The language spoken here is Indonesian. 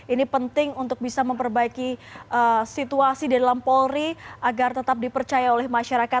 ini penting untuk bisa memperbaiki situasi di dalam polri agar tetap dipercaya oleh masyarakat